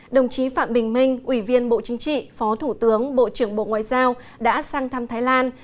đồng chí phạm bình minh ủy viên bộ chính trị phó thủ tướng bộ trưởng bộ ngoại giao đã sang thăm thái lan